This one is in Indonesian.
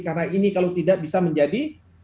karena ini kalau tidak bisa menjadi